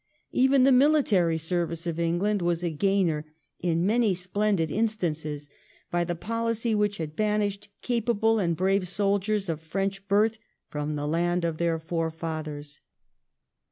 Even the military service of England was a gainer in many splendid instances by the policy which had banished capable and brave soldiers of French birth from the land of their fore fathers.